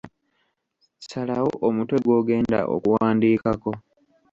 Salawo omutwe gw'ogenda okuwandiikako.